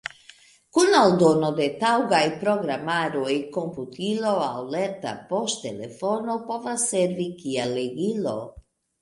Kun aldono de taŭgaj programaroj komputilo aŭ lerta poŝtelefono povas servi kiel legilo.